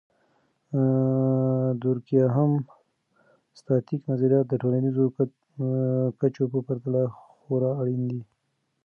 د دورکهايم.static نظریات د ټولنیزو کچو په پرتله خورا اړین دي.